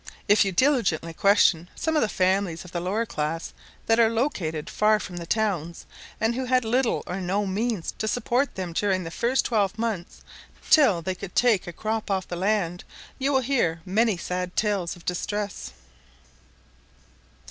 If you diligently question some of the families of the lower class that are located far from the towns, and who had little or no means to support them during the first twelve months, till they could take a crop off the land, you will hear many sad tales of distress."